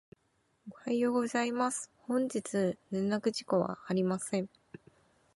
おはようございます。本日の連絡事項はありません。